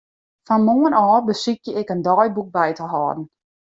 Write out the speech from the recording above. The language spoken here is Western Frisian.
Fan moarn ôf besykje ik in deiboek by te hâlden.